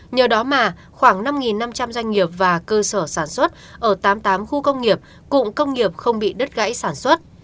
nhờ đó mà khoảng năm năm trăm linh doanh nghiệp và cơ sở sản xuất ở tám mươi tám khu công nghiệp cụm công nghiệp không bị đứt gãy sản xuất